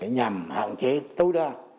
nhằm hạn chế tối đa